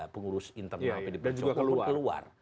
pengurus internal pdi dan juga keluar